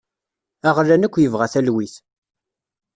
Aɣlan akk yebɣa talwit.